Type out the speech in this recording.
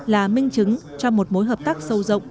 là minh chứng cho một mối hợp tác sâu rộng